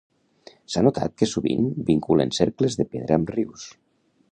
S'ha notat que sovint vinculen cercles de pedra amb rius.